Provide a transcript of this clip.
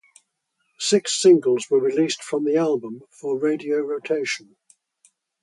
Six singles were released from the album for radio rotation.